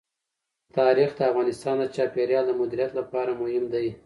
تاریخ د افغانستان د چاپیریال د مدیریت لپاره مهم دي.